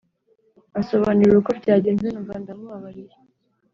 ansobanurira uko byagenze, numva ndamubabariye